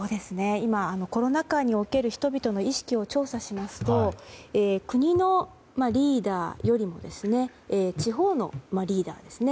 今、コロナ禍における人々の意識を調査しますと国のリーダーよりも地方のリーダーですね。